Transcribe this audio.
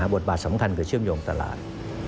บทบาทสำคัญคือเชื่อมโยงตลาด